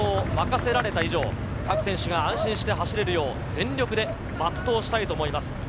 先導を任せられた以上、各選手が安心して走れるよう全力で全うしたいと思います。